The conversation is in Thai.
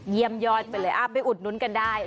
ยอดไปเลยไปอุดนุนกันได้